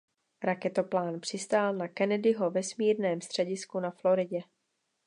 Raketoplán přistál na Kennedyho vesmírném středisku na Floridě.